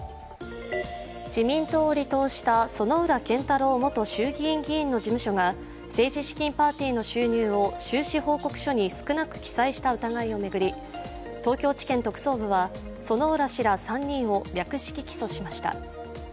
自民党を離党した薗浦健太郎元衆議院議員の事務所が政治資金パーティーの収入を収支報告書に少なく記載した疑いを巡り東京地検特捜部は薗浦氏ら３人を略式起訴しました。